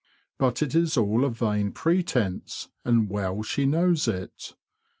But it is all a vain pretence, and well she knows it.